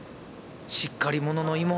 しっかり者の妹？